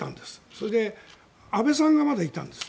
それで、安倍さんがまだいたんです。